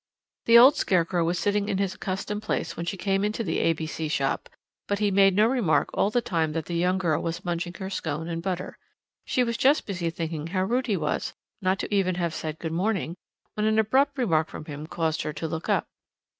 The old scarecrow was sitting in his accustomed place when she came into the A.B.C. shop, but he had made no remark all the time that the young girl was munching her scone and butter. She was just busy thinking how rude he was not even to have said "Good morning," when an abrupt remark from him caused her to look up.